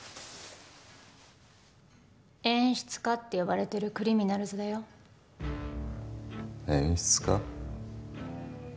「演出家」って呼ばれてるクリミナルズだよ演出家？